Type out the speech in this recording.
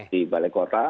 di balai kota